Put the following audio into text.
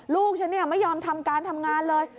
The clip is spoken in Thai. ลูกฉันไม่ยอมทำการทำงานเลย